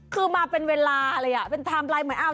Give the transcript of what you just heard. คือมาเป็นเวลาเลยอ่ะเป็นไทม์ไลน์เหมือนเอา